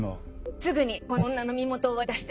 すぐにこの女の身元を割り出して。